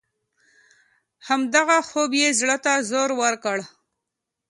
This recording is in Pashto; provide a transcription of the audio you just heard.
همدغه خوب یې زړه ته زور ورکړ.